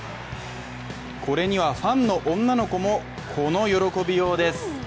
これにはファンの女の子もこの喜びようです。